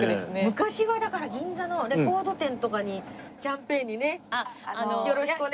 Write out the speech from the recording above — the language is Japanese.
昔はだから銀座のレコード店とかにキャンペーンにねよろしくお願いします！